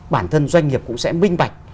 bản thân doanh nghiệp cũng sẽ minh bạch